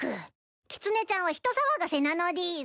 キツネちゃんは人騒がせなのでぃす。